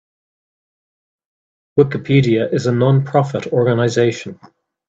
Wikipedia is a non-profit organization.